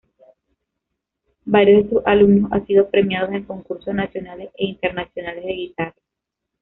Varios de sus alumnos han sido premiados en concursos nacionales e internacionales de guitarra.